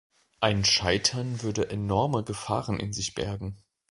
Ein Scheitern würde enorme Gefahren in sich bergen.